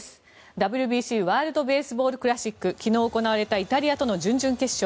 ＷＢＣ＝ワールド・ベースボール・クラシック昨日行われたイタリアとの準々決勝。